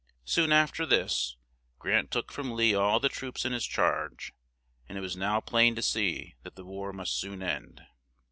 Soon af ter this, Grant took from Lee all the troops in his charge; and it was now plain to see that the war must soon end.